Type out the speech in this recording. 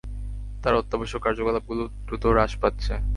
তার অত্যাবশক কার্যকলাপগুলো দ্রুত হ্রাস পাচ্ছে।